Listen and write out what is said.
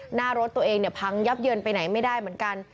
หน้ารถตัวเองเนี่ยพังยับเยินไปไหนไม่ได้เหมือนกัน